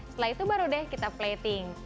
setelah itu baru deh kita plating